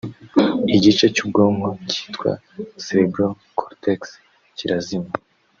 Igice cy’ubwonko cyitwa Cerebral Cortex kirazima